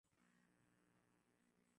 Tembea Kenya.